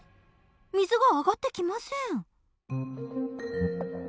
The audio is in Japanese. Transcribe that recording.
水が上がってきません。